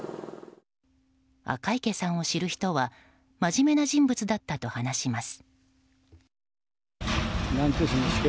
赤池さんを知る人は真面目な人物だったと話します。